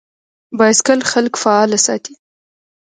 بایسکل خلک فعال ساتي.